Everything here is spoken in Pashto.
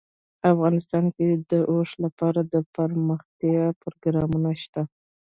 افغانستان کې د اوښ لپاره دپرمختیا پروګرامونه شته.